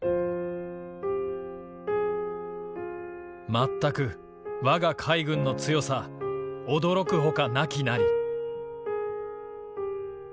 「全く我が海軍の強さ驚くほかなきなり」。